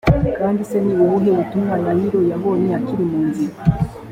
kandi se ni ubuhe butumwa yayiro yabonye akiri mu nzira